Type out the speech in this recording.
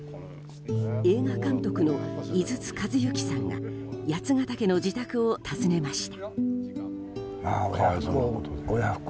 映画監督の井筒和幸さんが八ケ岳の自宅を訪ねました。